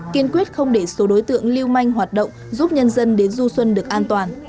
kiên quyết không để số đối tượng lưu manh hoạt động giúp nhân dân đến du xuân được an toàn